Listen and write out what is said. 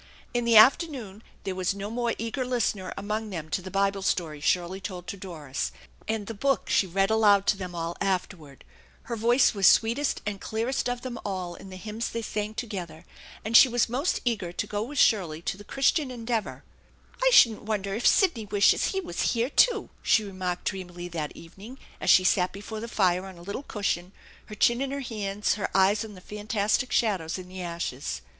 In the afternoon there was no more eager listener among them to the Bible story Shirley told to Doris and the book she read aloud to them all afterward; her voice was sweetest and .clearest of them all in the hymns they sang together; and she was most eager to go with Shirley to the, Christian Endeavor THE ENCHANTED BARN 171 " 1 shouldn't wonder if Sidney wishes he was here too/ 1 she remarked dreamily that evening, as she sat before the fir? on a little cushion, her chin in her hands, her eyes on thd fantastic shadows in the ashes.